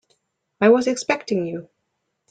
I was expecting you.